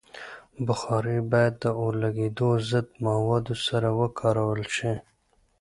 بخاري باید د اورلګیدو ضد موادو سره وکارول شي.